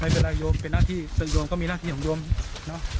เวลาโยมเป็นหน้าที่ซึ่งโยมก็มีหน้าที่ของโยมเนอะ